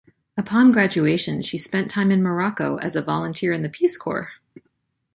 Upon graduation she spent time in Morocco as a volunteer in the Peace Corps.